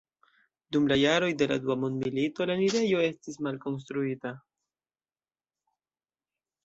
Dum la jaroj de la dua mondmilito la enirejo estis malkonstruita.